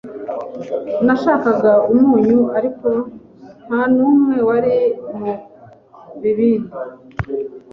Nashakaga umunyu, ariko ntanumwe wari mubibindi.